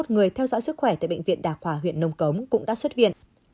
năm mươi một người theo dõi sức khỏe tại bệnh viện đa khoa huyện nông cống cũng đã xuất viện